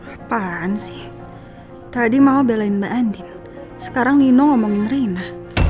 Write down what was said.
apaan sih tadi mau belai mbak andin sekarang nino ngomongin reina